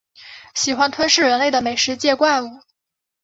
喜欢吞噬人类的美食界怪物。